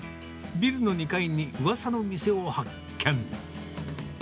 ビルの２階にうわさの店を発見。